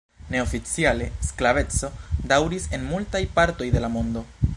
Neoficiale sklaveco daŭris en multaj partoj de la mondo.